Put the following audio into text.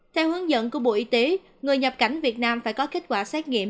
theo hướng dẫn của bộ y tế người nhập cảnh việt nam phải có kết quả xét nghiệm